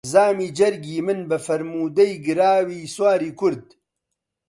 زامی جەرگی من بە فەرموودەی گراوی سواری کورد